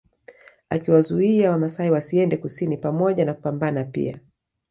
Akiwazuia Wamasai wasiende kusini pamoja na kupambana pia